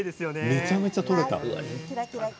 めちゃめちゃ取れた。